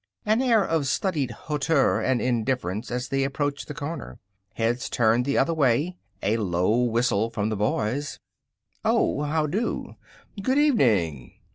An air of studied hauteur and indifference as they approached the corner. Heads turned the other way. A low whistle from the boys. "Oh, how do!" "Good evening!"